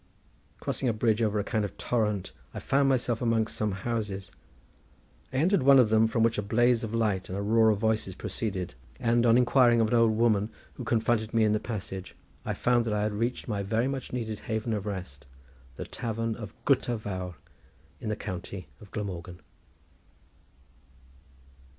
Crossing a bridge over a kind of torrent, I found myself amongst some houses. I entered one of them from which a blaze of light and a roar of voices proceeded, and, on inquiring of an old woman who confronted me in the passage, I found that I had reached my much needed haven of rest, the tavern of Gutter Vawr in the county of Glamorgan.